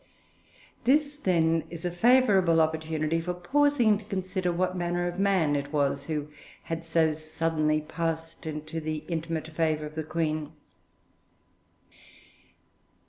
This, then, is a favourable opportunity for pausing to consider what manner of man it was who had so suddenly passed into the intimate favour of the Queen.